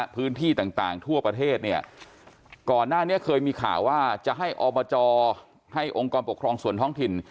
พื้นที่ต่างทั่วประเทศเนี่ยก่อนหน้านี้เคยมีข่าวว่าจะให้อบจให้องค์กรปกครองส่วนท้องถิ่น